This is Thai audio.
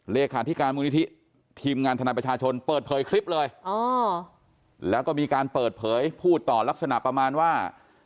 เลขาธิการมูลนิธิทีมงานทนายประชาชนเปิดเผยคลิปเลยแล้วก็มีการเปิดเผยพูดต่อลักษณะประมาณว่า